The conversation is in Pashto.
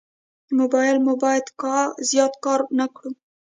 موبایل مو باید زیات کار نه کړو.